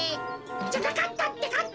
じゃなかったってかってか。